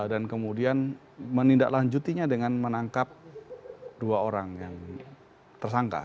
dan kemudian menindaklanjutinya dengan menangkap dua orang yang tersangka